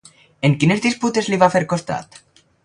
En quines disputes li va fer costat?